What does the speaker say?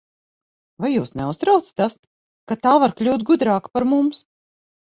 Vai jūs neuztrauc tas, ka tā var kļūt gudrāka par mums?